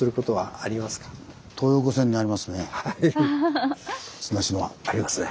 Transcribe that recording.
ありますね。